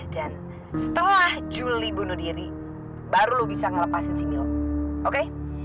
dan setelah juli bunuh diri baru lu bisa ngelepasin si milo oke